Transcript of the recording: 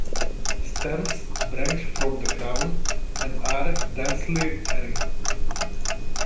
Stems branch from the crown and are densely hairy.